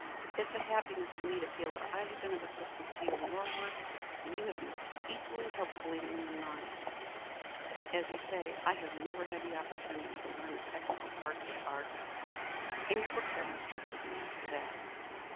It's a happiness to me to feel that I have been of assistance to you in your work, and you have been equally helpful to me in mine. As you say, I have never had the opportunity to learn the technical parts of art, and your books have instructed me as to that.